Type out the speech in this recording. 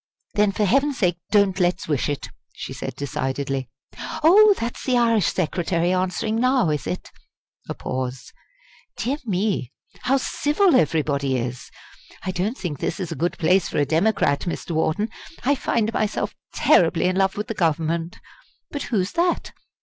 "Then for heaven's sake don't let's wish it!" she said decidedly. "Oh, that's the Irish Secretary answering now, is it?" a pause "Dear me, how civil everybody is. I don't think this is a good place for a Democrat, Mr. Wharton I find myself terribly in love with the Government. But who's that?"